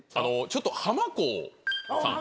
ちょっとハマコーさん。